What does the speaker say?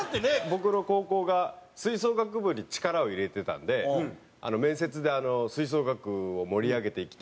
僕の高校が吹奏楽部に力を入れてたんで面接で「吹奏楽を盛り上げていきたいです」